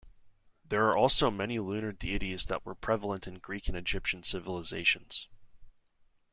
There are also many lunar deities that were prevalent in Greek and Egyptian civilizations.